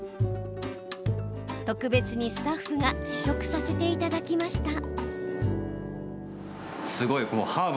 特別にスタッフが試食させていただきました。